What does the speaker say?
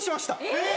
えっ！